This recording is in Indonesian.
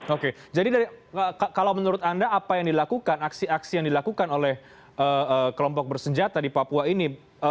oke jadi kalau menurut anda apa yang dilakukan aksi aksi yang dilakukan oleh kelompok bersenjata di papua ini